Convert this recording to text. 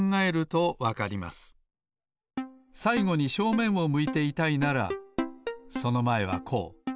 さいごに正面を向いていたいならそのまえはこう。